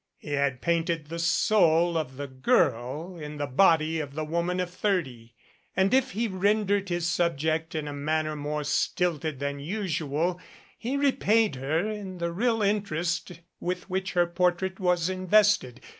He had painted the soul of the girl in the body of the woman of thirty, and if he ren dered his subject in a manner more stilted than usual, he repaid her in the real interest with which her portrait was invested.